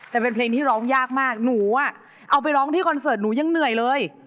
แต่เป็นเพลงที่ร้องยากมากหนูเอาไปร้องที่คอนเสิร์ตหนูยังเหนื่อยเลย